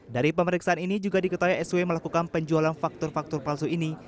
dari pemeriksaan ini juga diketahui sw melakukan penjualan faktor faktor palsu ini